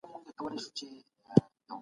د هغې د مادي او معنوي حقوقو ساتنه وکړي